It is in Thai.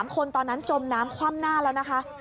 ๓คนตอนนั้นจมน้ำคว่ำหน้าแล้วนะคะ